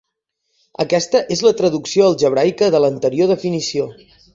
Aquesta és la traducció algebraica de l'anterior definició.